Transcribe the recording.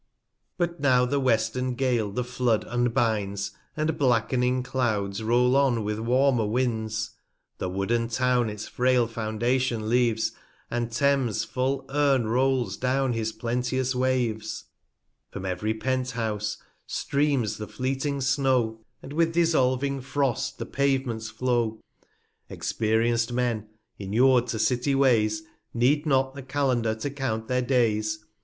But now the western Gale the Flood unbinds, And black'ning Clouds roll on with warmer Winds, The wooden Town its frail Foundation leaves, And Thames full Urn rolls down his plenteous Waves: 280 From ev'ry Penthouse streams the fleeting Snow, And with dissolving Frost the Pavements flow. Experienc'd Men, inur'd to City Ways, Need not the Calendar to count their Days.